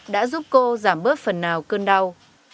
đã giúp cô giảm bớt phần nào cơn đau